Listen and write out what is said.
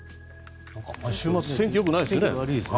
週末天気良くないですね。